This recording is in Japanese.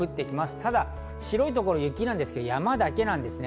ただ白い所雪なんですが、山だけなんですね。